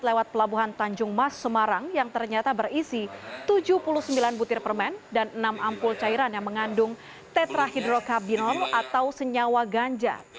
lewat pelabuhan tanjung mas semarang yang ternyata berisi tujuh puluh sembilan butir permen dan enam ampul cairan yang mengandung tetrahidrokabinor atau senyawa ganja